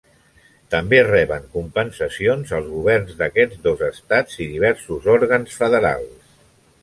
També reben compensacions als governs d'aquests dos estats i diversos òrgans federals.